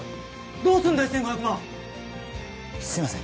どうすんだよ１５００万すいません